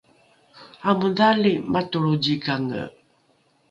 amodhali matolro zikange